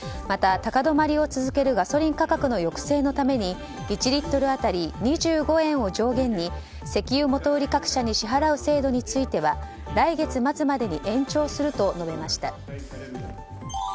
また、高止まりを続けるガソリン価格の抑制のために１リットル当たり２５円を上限に石油元売り各社に支払う制度については来月末までに延長すると述べました。